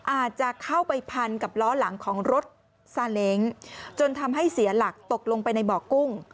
อาจจะเข้าไปพันกับล้อหลังของรถซาเล้งจนทำให้เสียหลักตกลงไปในบ่อกุ้ง